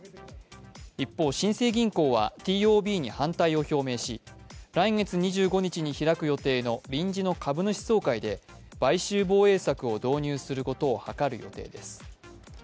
一方、新生銀行はＴＯＢに反対をし来月２５日に開く予定の臨時の株主総会で買収防衛策を導入することをはかる予定です。